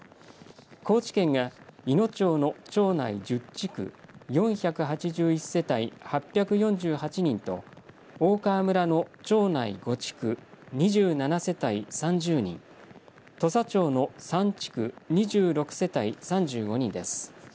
高知県がいの町の町内１０地区４８１世帯８４８人と大川村の町内５地区２７世帯３０人、土佐町の３地区２６世帯３５人です。